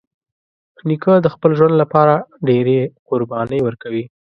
نیکه د خپل ژوند له پاره ډېری قربانۍ ورکوي.